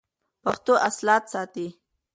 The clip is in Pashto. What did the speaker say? پښتو اصالت ساتي.